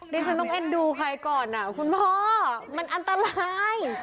ดิฉันต้องเอ็นดูใครก่อนคุณพ่อมันอันตราย